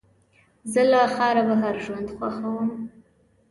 زه له ښاره بهر ژوند خوښوم.